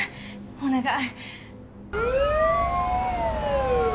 お願い。